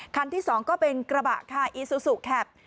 ที่๒ก็เป็นกระบะค่ะอีซูซูแคป